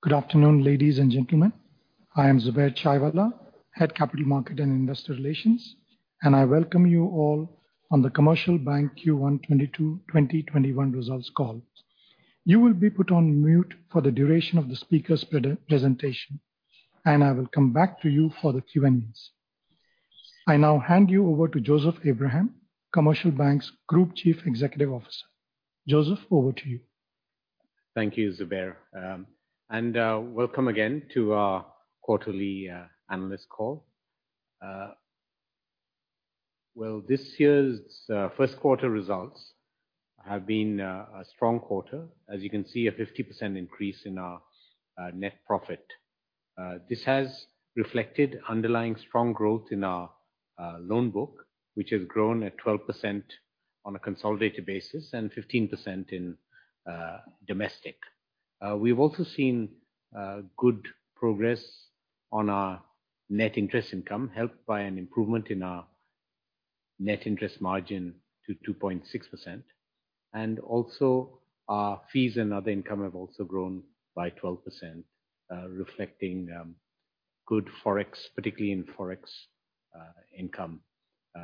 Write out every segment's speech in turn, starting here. Good afternoon, ladies and gentlemen. I am Zubair Chaiwalla, Head Capital Market and Industrial Relations, I welcome you all on The Commercial Bank Q1 2021 results call. You will be put on mute for the duration of the speakers' presentation, and I will come back to you for the Q&As. I now hand you over to Joseph Abraham, The Commercial Bank's Group Chief Executive Officer. Joseph, over to you. Thank you, Zubair. Welcome again to our quarterly, analyst call. Well, this year's first quarter results have been a strong quarter. As you can see, a 50% increase in our net profit. This has reflected underlying strong growth in our loan book, which has grown at 12% on a consolidated basis and 15% in domestic. We've also seen good progress on our net interest income, helped by an improvement in our net interest margin to 2.6%. Also, our fees and other income have also grown by 12%, reflecting good Forex, particularly in Forex income,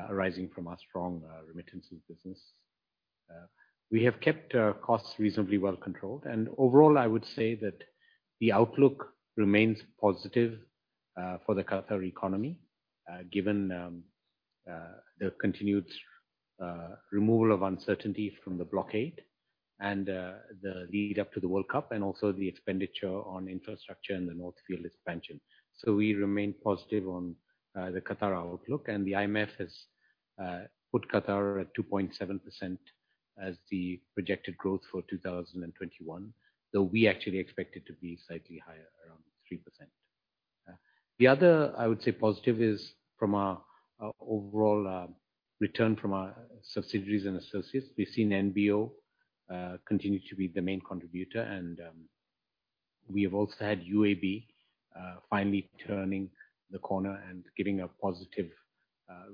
arising from our strong remittances business. We have kept our costs reasonably well controlled. Overall, I would say that the outlook remains positive for the Qatar economy, given the continued removal of uncertainty from the blockade and the lead up to the World Cup, and also the expenditure on infrastructure and the North Field expansion. We remain positive on the Qatar outlook, and the IMF has put Qatar at 2.7% as the projected growth for 2021, though we actually expect it to be slightly higher, around 3%. The other, I would say positive, is from our overall return from our subsidiaries and associates. We've seen NBO continue to be the main contributor and we have also had UAB finally turning the corner and giving a positive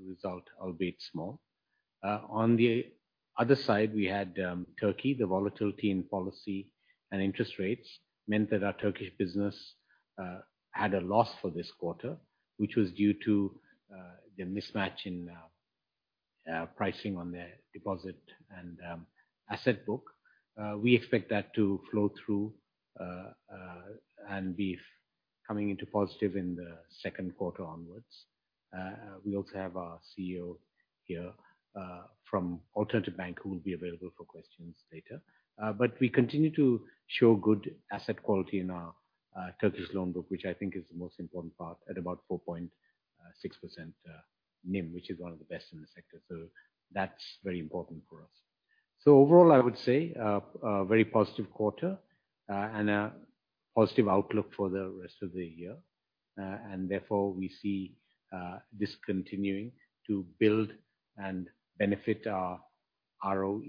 result, albeit small. On the other side, we had Turkey. The volatility in policy and interest rates meant that our Turkish business had a loss for this quarter, which was due to the mismatch in pricing on their deposit and asset book. We expect that to flow through and be coming into positive in the second quarter onwards. We also have our CEO here, from Alternatif Bank, who will be available for questions later. We continue to show good asset quality in our Turkish loan book, which I think is the most important part, at about 4.6% NIM, which is one of the best in the sector. Overall, I would say a very positive quarter, and a positive outlook for the rest of the year. Therefore, we see this continuing to build and benefit our ROE,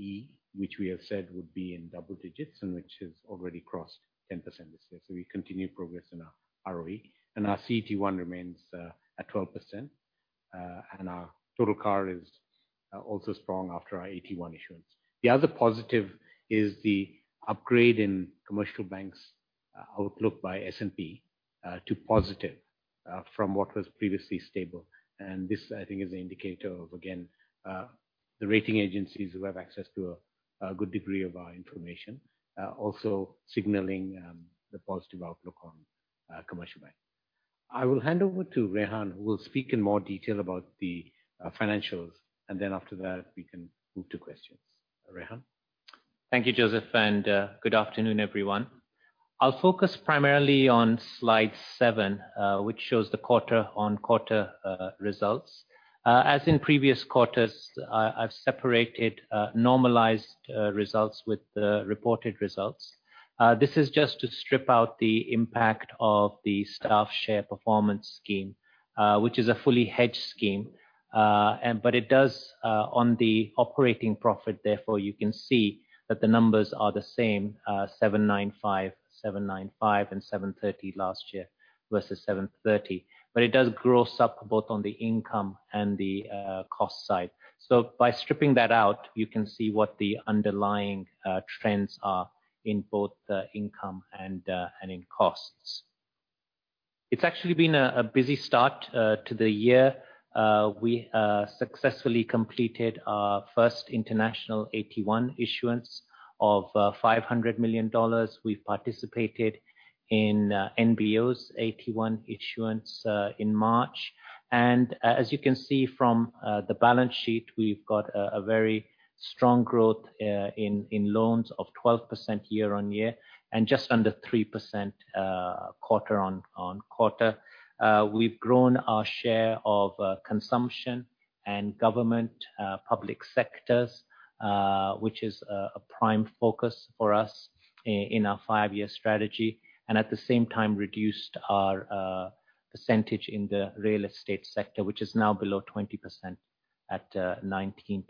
which we have said would be in double digits and which has already crossed 10% this year. We continue progress in our ROE. Our CET1 remains at 12%, and our total CAR is also strong after our AT1 issuance. The other positive is the upgrade in Commercial Bank's outlook by S&P to positive, from what was previously stable. This, I think, is an indicator of, again, the rating agencies who have access to a good degree of our information, also signaling the positive outlook on Commercial Bank. I will hand over to Rehan, who will speak in more detail about the financials, and then after that we can move to questions. Rehan. Thank you, Joseph, and good afternoon, everyone. I will focus primarily on slide seven, which shows the quarter-on-quarter results. As in previous quarters, I have separated normalized results with the reported results. This is just to strip out the impact of the staff share performance scheme, which is a fully hedged scheme. It does on the operating profit, therefore you can see that the numbers are the same, 795, 795 and 730 last year versus 730. It does gross up both on the income and the cost side. By stripping that out, you can see what the underlying trends are in both the income and in costs. It has actually been a busy start to the year. We successfully completed our first international AT1 issuance of $500 million. We have participated in NBO's AT1 issuance in March. As you can see from the balance sheet, we have got a very strong growth in loans of 12% year-on-year, and just under 3% quarter-on-quarter. We have grown our share of consumption and government public sectors, which is a prime focus for us in our five-year strategy, and at the same time reduced our percentage in the real estate sector, which is now below 20% at 19%.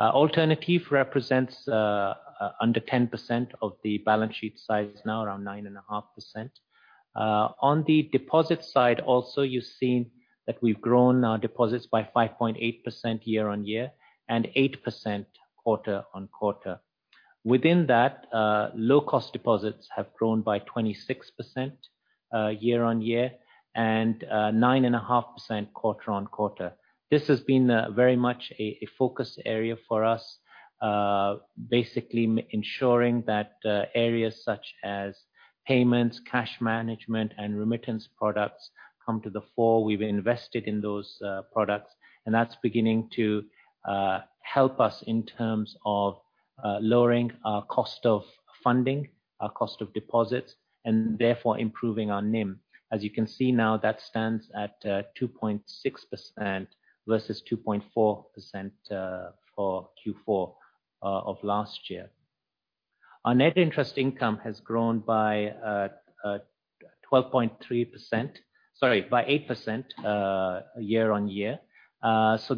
Alternatif represents under 10% of the balance sheet size now, around 9.5%. On the deposit side also, you have seen that we have grown our deposits by 5.8% year-on-year and 8% quarter-on-quarter. Within that, low-cost deposits have grown by 26% year-on-year and 9.5% quarter-on-quarter. This has been very much a focus area for us, basically ensuring that areas such as payments, cash management, and remittance products come to the fore. We have invested in those products, that is beginning to help us in terms of lowering our cost of funding, our cost of deposits, and therefore improving our NIM. As you can see now, that stands at 2.6% versus 2.4% for Q4 of last year. Our net interest income has grown by 8% year-on-year.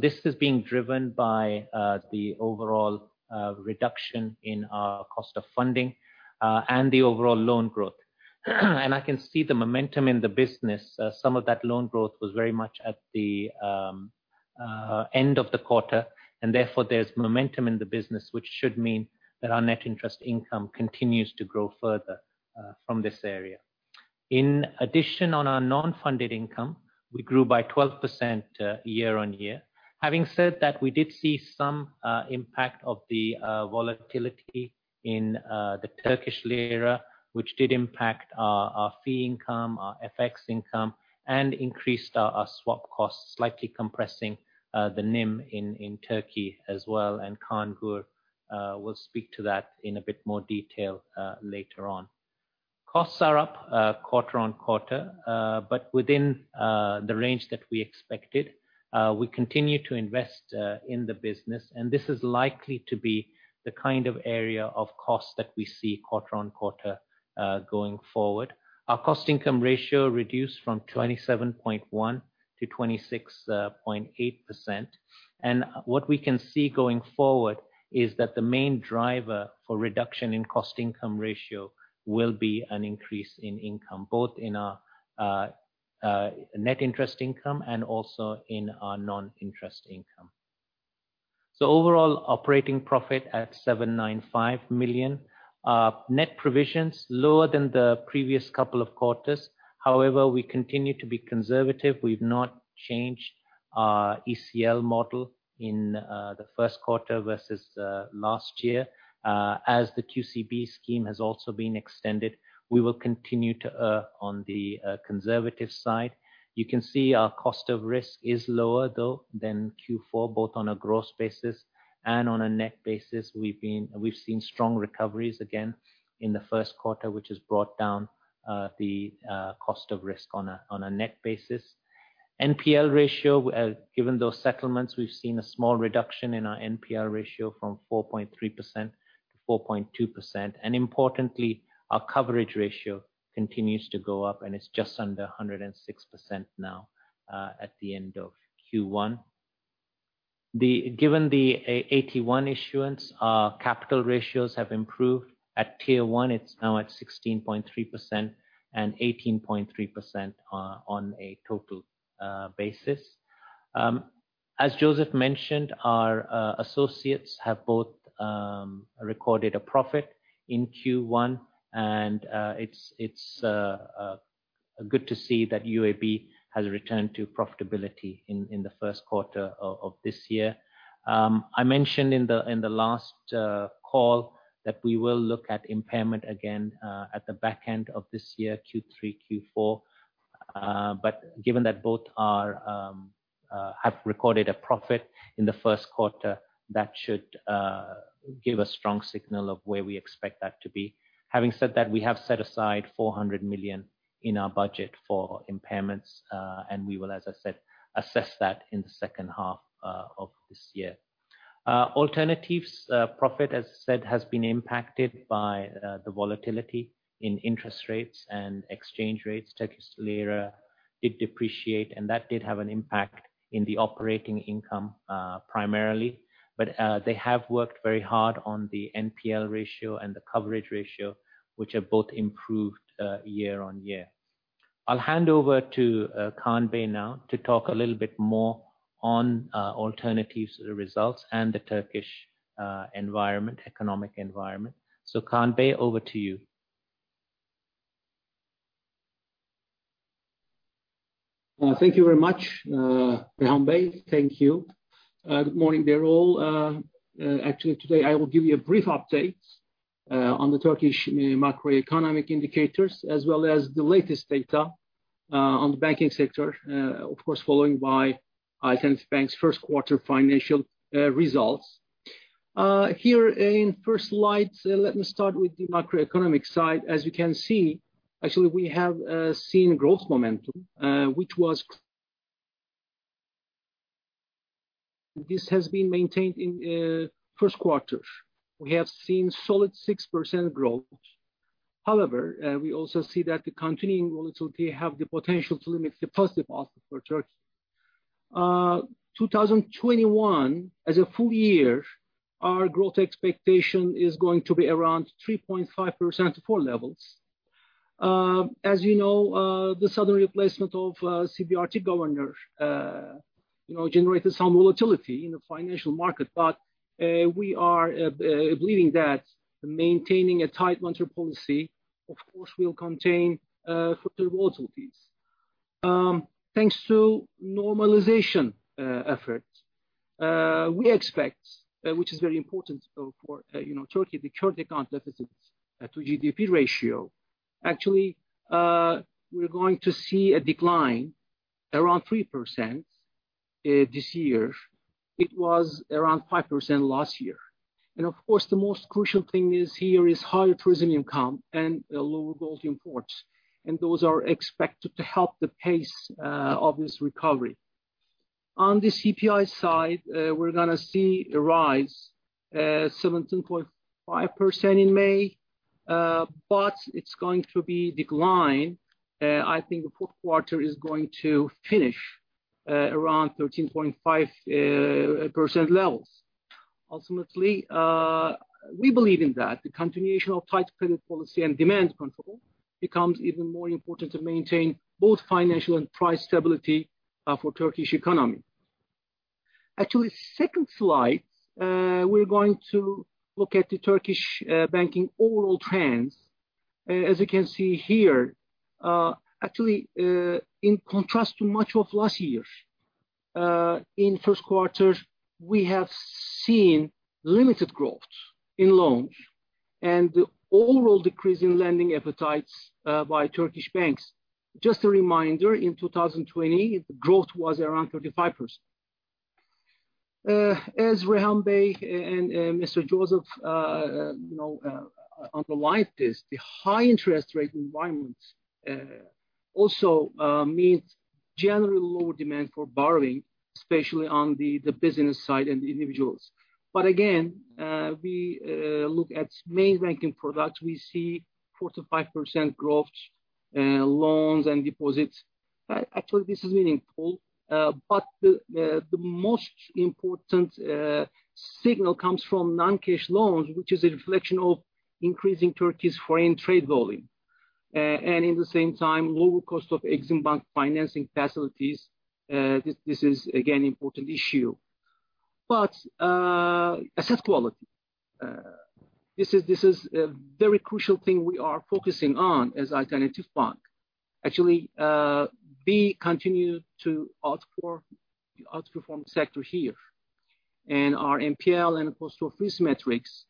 This is being driven by the overall reduction in our cost of funding and the overall loan growth. I can see the momentum in the business. Some of that loan growth was very much at the end of the quarter, therefore, there is momentum in the business, which should mean that our net interest income continues to grow further from this area. In addition, on our non-funded income, we grew by 12% year-on-year. Having said that, we did see some impact of the volatility in the Turkish lira, which did impact our fee income, our FX income, and increased our swap costs, slightly compressing the NIM in Turkey as well. Kaan Gür will speak to that in a bit more detail later on. Costs are up quarter-on-quarter, within the range that we expected. We continue to invest in the business, this is likely to be the kind of area of cost that we see quarter-on-quarter going forward. Our cost-income ratio reduced from 27.1%-26.8%. What we can see going forward is that the main driver for reduction in cost-income ratio will be an increase in income, both in our net interest income and also in our non-interest income. Overall operating profit at 795 million. Net provisions lower than the previous couple of quarters. We continue to be conservative. We've not changed our ECL model in the first quarter versus last year. The QCB scheme has also been extended, we will continue to err on the conservative side. You can see our cost of risk is lower, though, than Q4, both on a gross basis and on a net basis. We've seen strong recoveries again in the first quarter, which has brought down the cost of risk on a net basis. NPL ratio, given those settlements, we've seen a small reduction in our NPL ratio from 4.3%-4.2%. Importantly, our coverage ratio continues to go up, it's just under 106% now, at the end of Q1. Given the AT1 issuance, our capital ratios have improved. At Tier 1, it's now at 16.3% and 18.3% on a total basis. Joseph mentioned, our associates have both recorded a profit in Q1, it's good to see that UAB has returned to profitability in the first quarter of this year. I mentioned in the last call that we will look at impairment again, at the back end of this year, Q3, Q4. Given that both have recorded a profit in the first quarter, that should give a strong signal of where we expect that to be. Having said that, we have set aside 400 million in our budget for impairments, we will, as I said, assess that in the second half of this year. Alternatives' profit, as I said, has been impacted by the volatility in interest rates and exchange rates. Turkish lira did depreciate, that did have an impact in the operating income, primarily. They have worked very hard on the NPL ratio and the coverage ratio, which have both improved year-on-year. I'll hand over to Kaan Bey now to talk a little bit more on Alternatives' results and the Turkish economic environment. Kaan Bey, over to you. Thank you very much. Rehan Bey, thank you. Good morning to you all. Today I will give you a brief update on the Turkish macroeconomic indicators, as well as the latest data on the banking sector, of course, followed by Alternatif Bank's first quarter financial results. Here in first slide, let me start with the macroeconomic side. As you can see, we have seen growth momentum. This has been maintained in first quarter. We have seen solid 6% growth. However, we also see that the continuing volatility have the potential to limit the positive outlook for Turkey 2021, as a full year, our growth expectation is going to be around 3.5%-4% levels. As you know, the sudden replacement of CBRT governor generated some volatility in the financial market. We are believing that maintaining a tight monetary policy, of course, will contain further volatilities. Thanks to normalization efforts, we expect, which is very important for Turkey, the current account deficits to GDP ratio. We're going to see a decline around 3% this year. It was around 5% last year. Of course, the most crucial thing here is higher tourism income and lower gold imports. Those are expected to help the pace of this recovery. On the CPI side, we're going to see a rise, 17.5% in May, but it's going to be decline. I think the fourth quarter is going to finish around 13.5% levels. Ultimately, we believe in that. The continuation of tight credit policy and demand control becomes even more important to maintain both financial and price stability for Turkish economy. Second slide, we're going to look at the Turkish banking overall trends. As you can see here, in contrast to much of last year, in first quarter, we have seen limited growth in loans and overall decrease in lending appetites by Turkish banks. Just a reminder, in 2020, growth was around 35%. As Rehan Bey and Mr. Joseph underlined this, the high interest rate environment also means general lower demand for borrowing, especially on the business side and individuals. Again, we look at main banking products, we see 45% growth, loans and deposits. This is meaningful. The most important signal comes from non-cash loans, which is a reflection of increasing Turkey's foreign trade volume. In the same time, lower cost of Exim Bank financing facilities. This is, again, important issue. Asset quality. This is a very crucial thing we are focusing on as Alternatif Bank. We continue to outperform sector here. Our NPL and cost of risk metrics,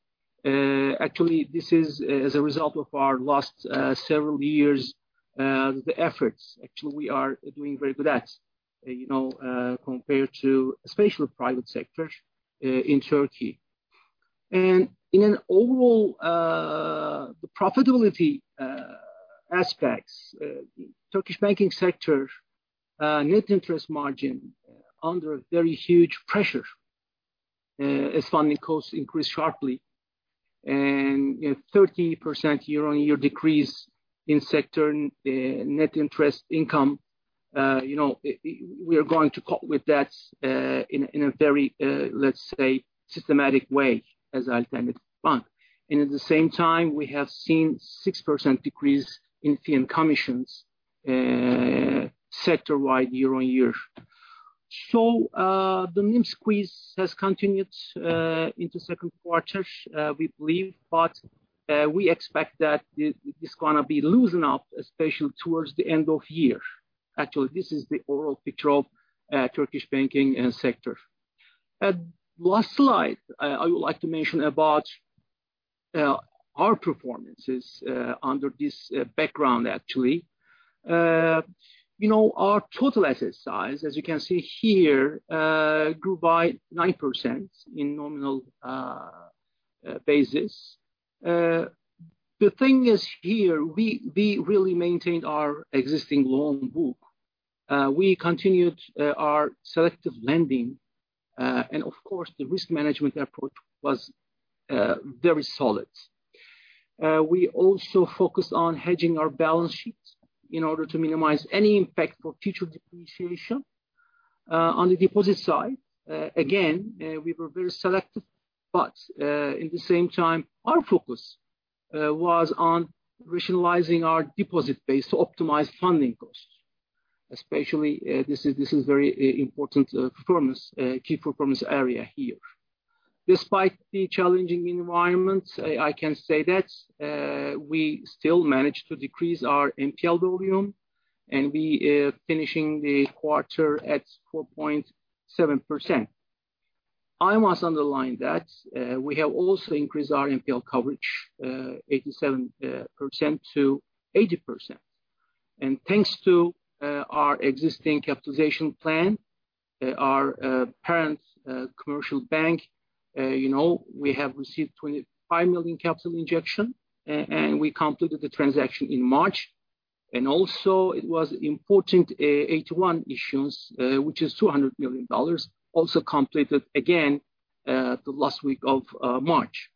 this is as a result of our last several years', the efforts, we are doing very good at, compared to especially private sectors in Turkey. In an overall profitability aspects, Turkish banking sector net interest margin under very huge pressure as funding costs increased sharply. 30% year-on-year decrease in sector net interest income. We are going to cope with that in a very, let's say, systematic way as Alternatif Bank. At the same time, we have seen 6% decrease in fee and commissions, sector-wide year-on-year. The NIM squeeze has continued into second quarter, we believe, but we expect that it's going to be loosen up, especially towards the end of year. This is the overall picture of Turkish banking sector. Last slide, I would like to mention about our performances under this background. Our total asset size, as you can see here, grew by 9% in nominal basis. The thing is here, we really maintained our existing loan book. We continued our selective lending. Of course, the risk management approach was very solid. We also focused on hedging our balance sheets in order to minimize any impact for future depreciation. On the deposit side, again, we were very selective, but in the same time, our focus was on rationalizing our deposit base to optimize funding costs. Especially, this is very important performance, key performance area here. Despite the challenging environment, I can say that we still managed to decrease our NPL volume, and we finishing the quarter at 4.7%. I must underline that we have also increased our NPL coverage, 87% to 80%. Thanks to our existing capitalization plan, our parent The Commercial Bank, we have received $25 million capital injection, and we completed the transaction in March. Also it was important AT1 issuance, which is $200 million, also completed again, the last week of March.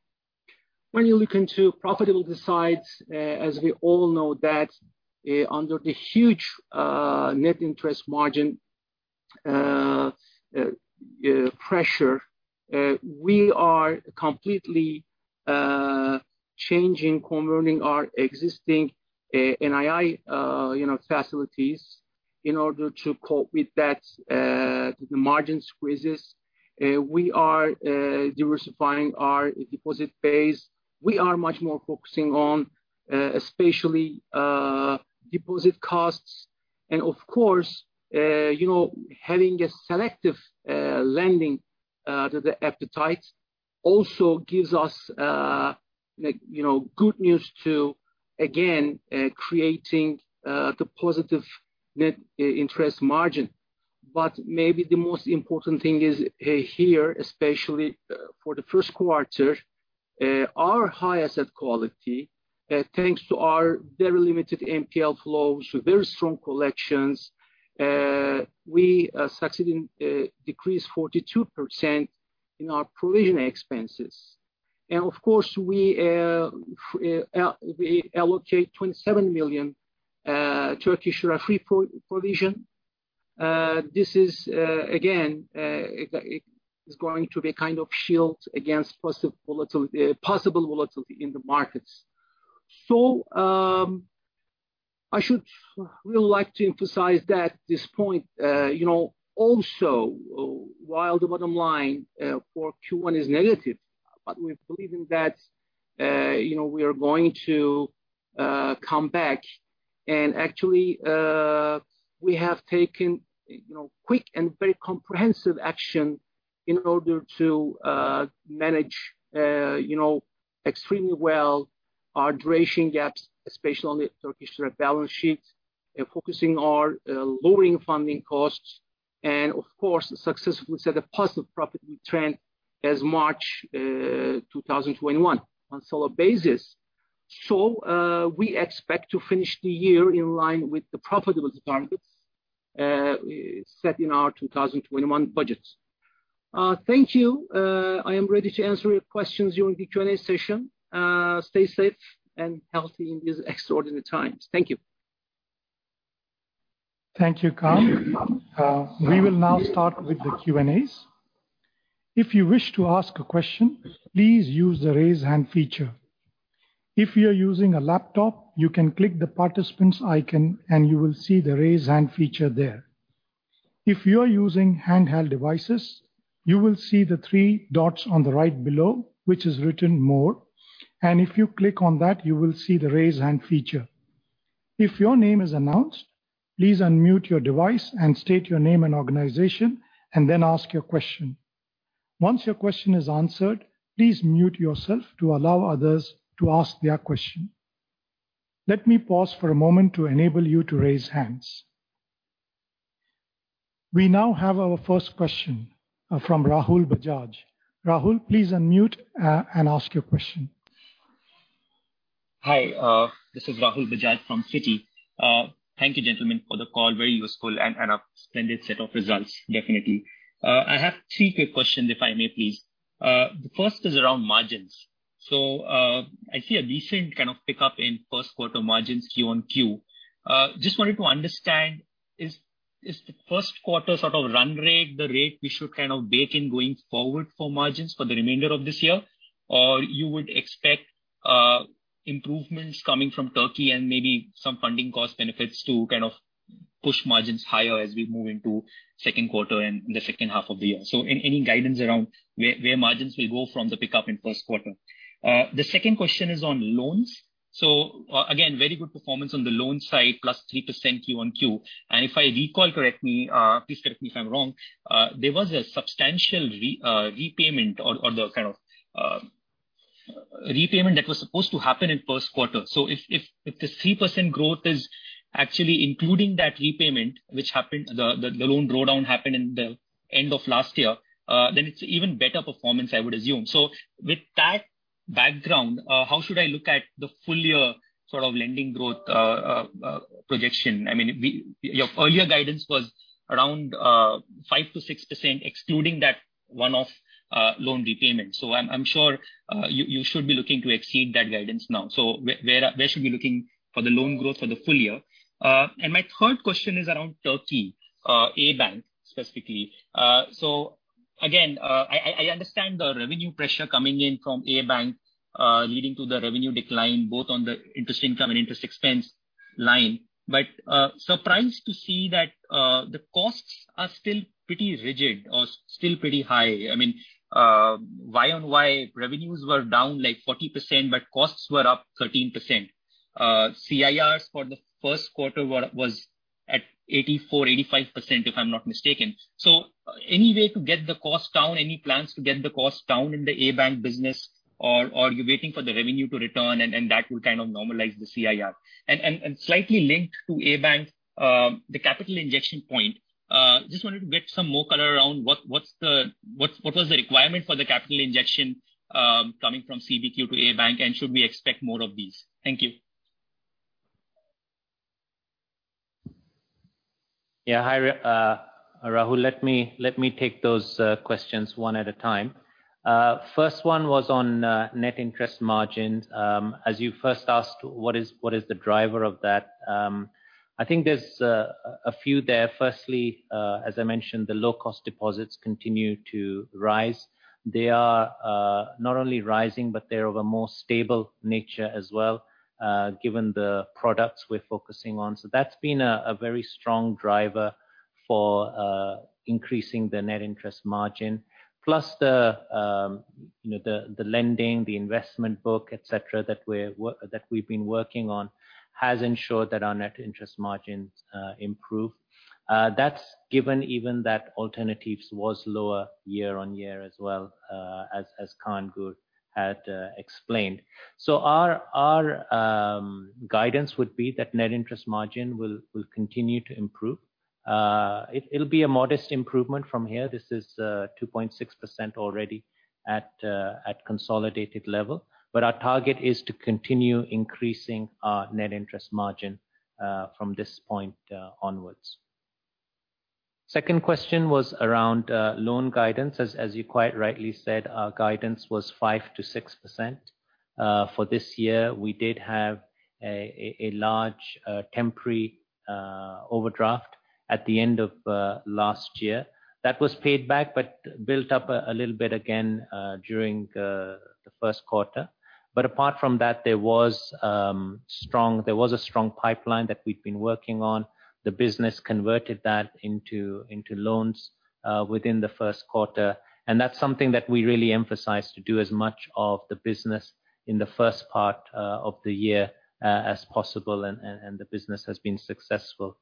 When you look into profitability sides, as we all know that under the huge net interest margin pressure, we are completely changing, converting our existing NII facilities in order to cope with that, the margin squeezes. We are diversifying our deposit base. We are much more focusing on, especially deposit costs. Of course, having a selective lending to the appetite also gives us good news to, again, creating the positive net interest margin. Maybe the most important thing is here, especially for the first quarter, our high asset quality, thanks to our very limited NPL flows, very strong collections, we succeeded decrease 42% in our provision expenses. Of course, we allocate 27 million free provision. This is again going to be a kind of shield against possible volatility in the markets. I should really like to emphasize that this point, also while the bottom line for Q1 is negative, we're believing that we are going to come back, actually, we have taken quick and very comprehensive action in order to manage extremely well our duration gaps, especially on the TRY balance sheet, focusing on lowering funding costs, of course, successfully set a positive profitability trend as March 2021 on solid basis. We expect to finish the year in line with the profitability targets set in our 2021 budgets. Thank you. I am ready to answer your questions during the Q&A session. Stay safe and healthy in these extraordinary times. Thank you. Thank you, Kaan. We will now start with the Q&As. If you wish to ask a question, please use the raise hand feature. If you're using a laptop, you can click the participants icon, and you will see the raise hand feature there. If you are using handheld devices, you will see the three dots on the right below, which is written More. If you click on that, you will see the raise hand feature. If your name is announced, please unmute your device and state your name and organization, and then ask your question. Once your question is answered, please mute yourself to allow others to ask their question. Let me pause for a moment to enable you to raise hands. We now have our first question from Rahul Bajaj. Rahul, please unmute and ask your question. Hi. This is Rahul Bajaj from Citi. Thank you gentlemen, for the call. Very useful and a splendid set of results, definitely. I have three quick questions, if I may, please. The first is around margins. I see a decent kind of pickup in first quarter margins Q on Q. Just wanted to understand, is the first quarter sort of run rate the rate we should kind of bake in going forward for margins for the remainder of this year? You would expect improvements coming from Turkey and maybe some funding cost benefits to kind of push margins higher as we move into second quarter and the second half of the year. Any guidance around where margins will go from the pickup in first quarter? The second question is on loans. Again, very good performance on the loan side, +3% Q on Q. If I recall, please correct me if I'm wrong, there was a substantial repayment or the kind of repayment that was supposed to happen in first quarter. If the 3% growth is actually including that repayment which happened, the loan drawdown happened in the end of last year, then it's even better performance, I would assume. With that background, how should I look at the full year sort of lending growth projection? Your earlier guidance was around 5%-6% excluding that one-off loan repayment. I'm sure you should be looking to exceed that guidance now. Where should we be looking for the loan growth for the full year? My third question is around Turkey, ABank specifically. Again, I understand the revenue pressure coming in from ABank, leading to the revenue decline both on the interest income and interest expense line. Surprised to see that the costs are still pretty rigid or still pretty high. I mean, year-over-year revenues were down like 40%, costs were up 13%. CIRs for the first quarter was at 84%, 85%, if I'm not mistaken. Any way to get the cost down? Any plans to get the cost down in the ABank business, or you're waiting for the revenue to return and that will kind of normalize the CIR? Slightly linked to ABank, the capital injection point. Just wanted to get some more color around what was the requirement for the capital injection coming from CBQ to ABank, and should we expect more of these? Thank you. Yeah. Hi, Rahul. Let me take those questions one at a time. First one was on net interest margins. As you first asked, what is the driver of that? I think there is a few there. Firstly, as I mentioned, the low-cost deposits continue to rise. They are not only rising, but they are of a more stable nature as well, given the products we are focusing on. That has been a very strong driver for increasing the net interest margin, plus the lending, the investment book, et cetera, that we have been working on has ensured that our net interest margins improve. That has given even that Alternatives was lower year-on-year as well, as Kaan Gür had explained. Our guidance would be that net interest margin will continue to improve. It will be a modest improvement from here. This is 2.6% already at consolidated level. Our target is to continue increasing our net interest margin from this point onwards. Second question was around loan guidance. As you quite rightly said, our guidance was 5%-6%. For this year, we did have a large temporary overdraft at the end of last year. That was paid back, but built up a little bit again during the first quarter. Apart from that, there was a strong pipeline that we have been working on. The business converted that into loans within the first quarter, and that is something that we really emphasize to do as much of the business in the first part of the year as possible. The business has been successful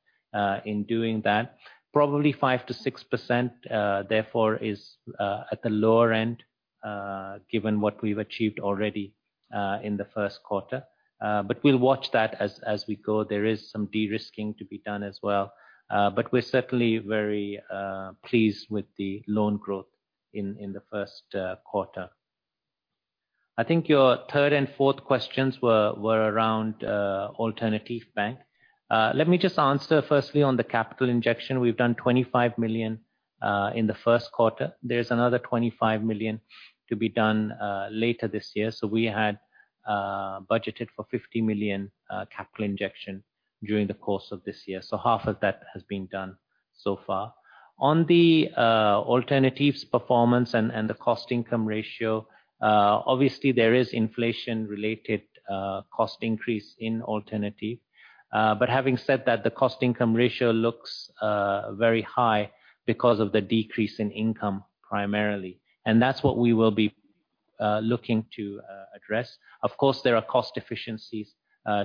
in doing that. Probably 5%-6%, therefore, is at the lower end, given what we have achieved already in the first quarter. We will watch that as we go. There is some de-risking to be done as well. We are certainly very pleased with the loan growth in the first quarter. I think your third and fourth questions were around Alternatif Bank. Let me just answer firstly on the capital injection. We have done 25 million in the first quarter. There is another 25 million to be done later this year. We had budgeted for 50 million capital injection during the course of this year. Half of that has been done so far. On the Alternatives performance and the cost-income ratio, obviously there is inflation-related cost increase in Alternative. Having said that, the cost-income ratio looks very high because of the decrease in income primarily, and that is what we will be looking to address. Of course, there are cost efficiencies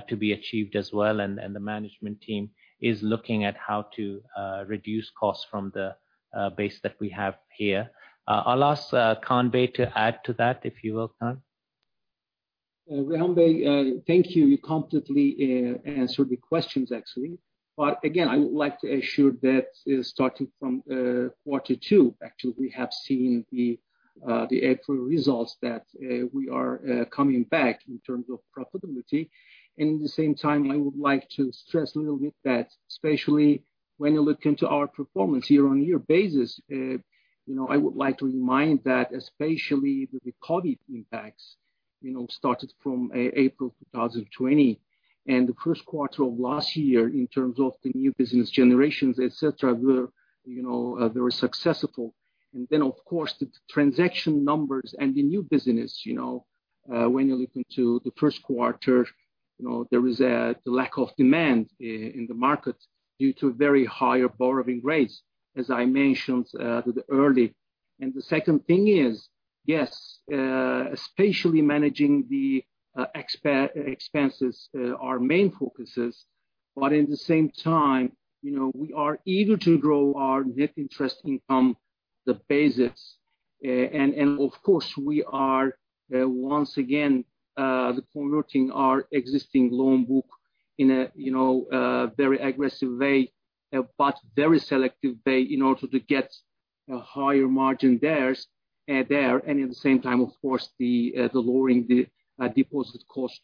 to be achieved as well, and the management team is looking at how to reduce costs from the base that we have here. I will ask Kaan Bey to add to that, if you will, Kaan. Rehan Shaikh, thank you. You completely answered the questions, actually. Again, I would like to assure that starting from quarter two, actually, we have seen the April results that we are coming back in terms of profitability. At the same time, I would like to stress a little bit that, especially when you look into our performance year-on-year basis, I would like to remind that especially with the COVID impacts, started from April 2020. The first quarter of last year in terms of the new business generations, et cetera, were very successful. Then, of course, the transaction numbers and the new business, when you look into the first quarter, there was a lack of demand in the market due to very higher borrowing rates, as I mentioned early. The second thing is, yes, especially managing the expenses are our main focuses. At the same time, we are eager to grow our net interest income, the basis. Of course, we are, once again, converting our existing loan book in a very aggressive way, but very selective way in order to get a higher margin there. At the same time, of course, the lowering the deposit cost.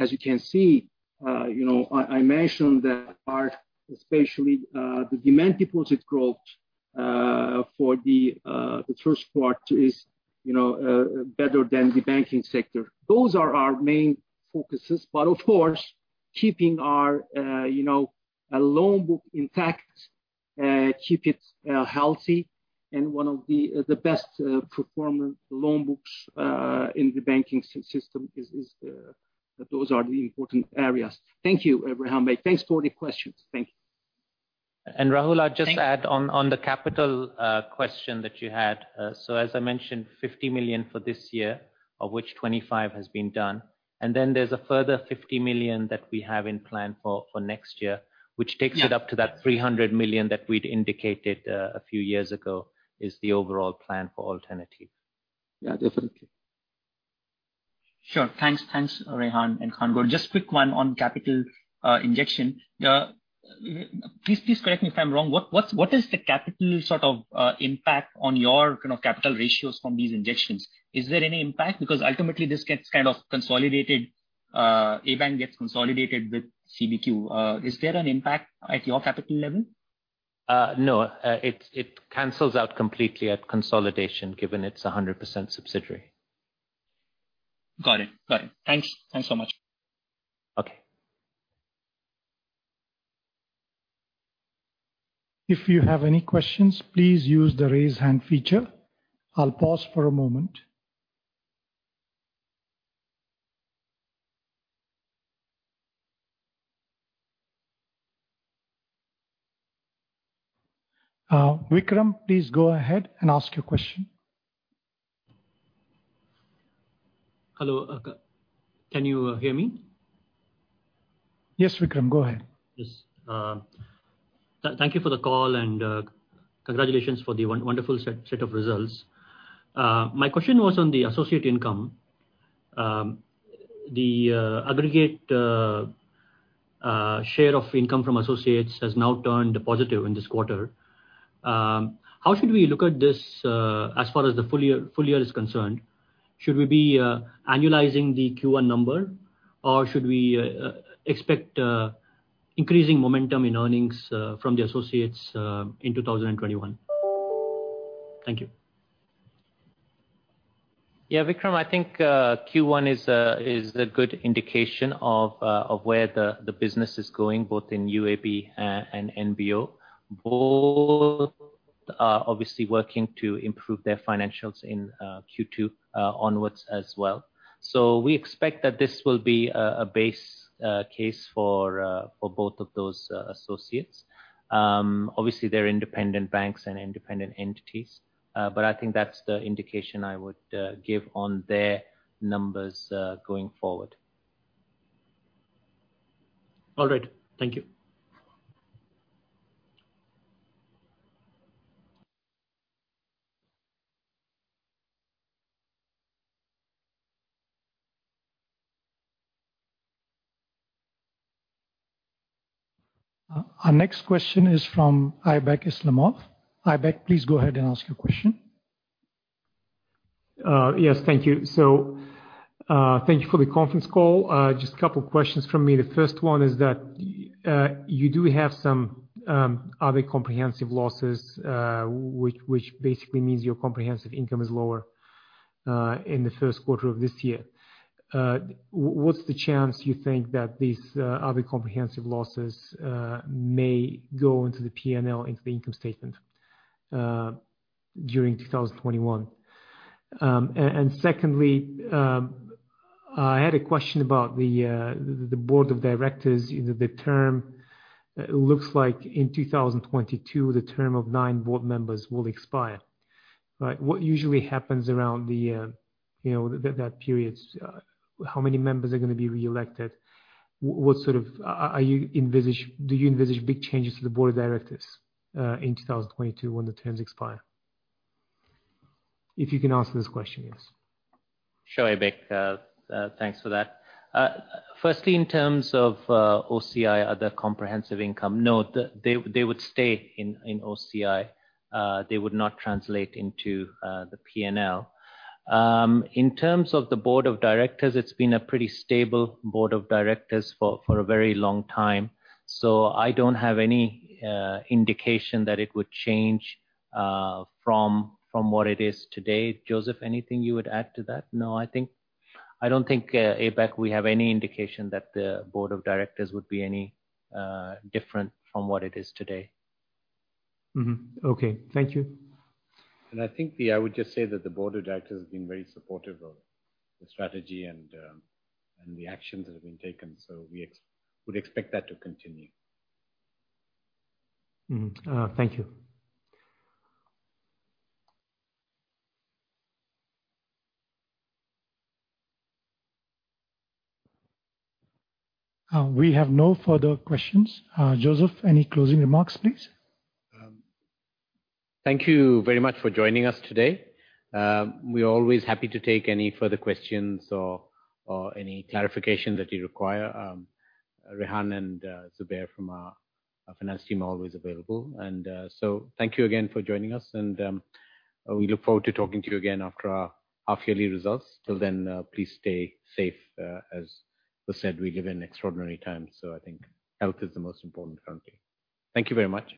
As you can see, I mentioned that especially the demand deposit growth for the first quarter is better than the banking sector. Those are our main focuses. Of course, keeping our loan book intact, keep it healthy, and one of the best performing loan books in the banking system. Those are the important areas. Thank you, Rehan Shaikh. Thanks for the questions. Thank you. Rahul, I'll just add on the capital question that you had. As I mentioned, 50 million for this year, of which 25 million has been done. Then there's a further 50 million that we have in plan for next year- Yeah which takes it up to that 300 million that we'd indicated a few years ago, is the overall plan for Alternatif Bank. Yeah, definitely. Sure. Thanks, Rehan and Kaan. Just quick one on capital injection. Please correct me if I'm wrong. What is the capital impact on your capital ratios from these injections? Is there any impact? Ultimately this gets kind of consolidated ABank gets consolidated with CBQ. Is there an impact at your capital level? No, it cancels out completely at consolidation, given it's 100% subsidiary. Got it. Thanks so much. Okay. If you have any questions, please use the raise hand feature. I will pause for a moment. Vikram, please go ahead and ask your question. Hello. Can you hear me? Yes, Vikram, go ahead. Yes. Thank you for the call. Congratulations for the wonderful set of results. My question was on the associate income. The aggregate share of income from associates has now turned positive in this quarter. How should we look at this, as far as the full year is concerned? Should we be annualizing the Q1 number, or should we expect increasing momentum in earnings from the associates in 2021? Thank you. Yeah, Vikram, I think Q1 is a good indication of where the business is going, both in UAB and NBO. Both are obviously working to improve their financials in Q2 onwards as well. We expect that this will be a base case for both of those associates. Obviously, they're independent banks and independent entities, but I think that's the indication I would give on their numbers going forward. All right. Thank you. Our next question is from Aybek Islamov. Aybek, please go ahead and ask your question. Yes, thank you. Thank you for the conference call. Just a couple of questions from me. The first one is that you do have some other comprehensive losses, which basically means your comprehensive income is lower in the first quarter of this year. What's the chance you think that these other comprehensive losses may go into the P&L, into the income statement during 2021? Secondly, I had a question about the Board of Directors. The term looks like in 2022, the term of nine Board members will expire. What usually happens around that period? How many members are going to be reelected? Do you envisage big changes to the Board of Directors in 2022 when the terms expire? If you can answer this question, yes. Sure, Aybek. Thanks for that. Firstly, in terms of OCI, other comprehensive income, no, they would stay in OCI. They would not translate into the P&L. In terms of the board of directors, it's been a pretty stable board of directors for a very long time. I don't have any indication that it would change from what it is today. Joseph, anything you would add to that? No, I don't think, Aybek, we have any indication that the board of directors would be any different from what it is today. Okay. Thank you. I think I would just say that the board of directors has been very supportive of the strategy and the actions that have been taken. We would expect that to continue. Thank you. We have no further questions. Joseph, any closing remarks, please? Thank you very much for joining us today. We're always happy to take any further questions or any clarification that you require. Rehan and Zubair from our finance team are always available. Thank you again for joining us, and we look forward to talking to you again after our half yearly results. Till then, please stay safe. As was said, we live in extraordinary times, so I think health is the most important currently. Thank you very much.